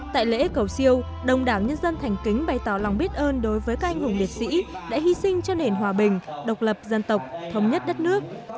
tại lễ cầu siêu đông đảo nhân dân thành kính bày tỏ lòng biết ơn đối với các anh hùng liệt sĩ đã hy sinh cho nền hòa bình độc lập dân tộc thống nhất đất nước